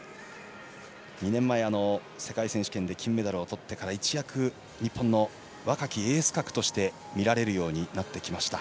２年前、世界選手権で金メダルをとってから一躍日本の若きエース格として見られるようになってきました。